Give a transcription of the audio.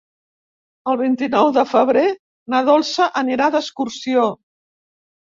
El vint-i-nou de febrer na Dolça anirà d'excursió.